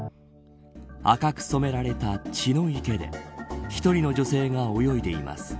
赤く染められた血の池で１人の女性が泳いでいます。